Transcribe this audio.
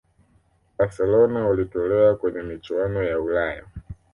barcelona walitolewa kwenye michuano ya ulaya